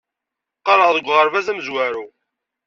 Qqareɣ deg uɣerbaz amezwaru.